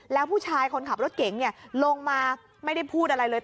แล้วผู้ชายคนขับรถเก๋งลงมาไม่ได้พูดอะไรเลย